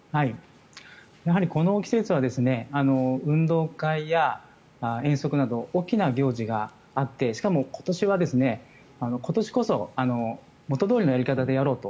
やはりこの季節は運動会や遠足など大きな行事があってしかも、今年は今年こそ元どおりのやり方でやろうと。